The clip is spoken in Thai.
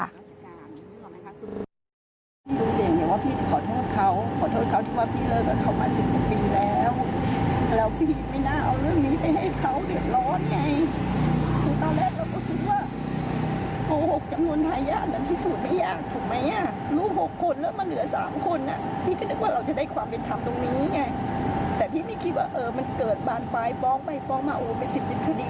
รู้๖คนแล้วมันเหลือ๓คนน่ะ